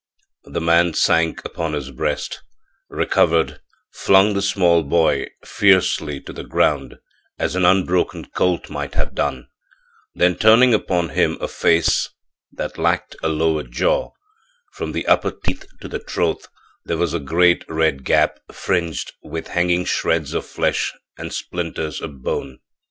The man sank upon his breast, recovered, flung the small boy fiercely to the ground as an unbroken colt might have done, then turned upon him a face that lacked a lower jaw from the upper teeth to the throat was a great red gap fringed with hanging shreds of flesh and splinters of bone.